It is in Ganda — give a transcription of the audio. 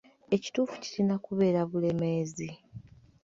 Ekituufu kirina kubeera 'Bulemeezi.'